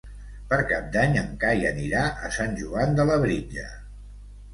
Per Cap d'Any en Cai anirà a Sant Joan de Labritja.